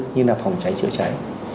như là phòng cháy chữa cháy